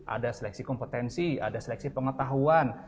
ada seleksi kompetensi ada seleksi pengetahuan